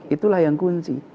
itulah yang kunci